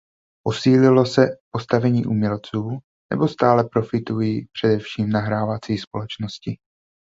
Posílilo se postavení umělců, nebo stále profitují především nahrávací společnosti?